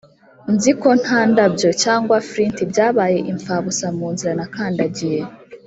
nzi ko nta ndabyo, cyangwa flint byabaye impfabusa munzira nakandagiye.